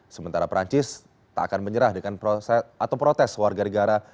sementara perancis tak akan menyerah dengan proses atau protes warga negara